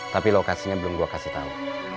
tapi lokasinya belum gue kasih tau